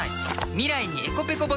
未来にｅｃｏペコボトル。